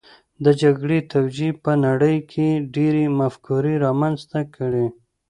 د جګړې توجیې په نړۍ کې ډېرې مفکورې رامنځته کړې